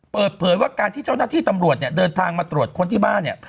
เปิดเผยว่าการที่เจ้าหน้าที่ตำรวจเนี่ยเดินทางมาตรวจค้นที่บ้านเนี่ย